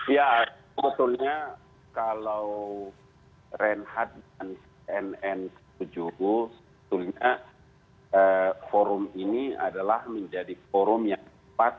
ya sebetulnya kalau reinhardt dan nn tujuh u sebetulnya forum ini adalah menjadi forum yang tepat